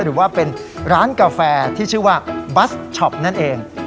หรือว่าเป็นร้านกาแฟที่ชื่อว่าบัสช็อปนั่นเอง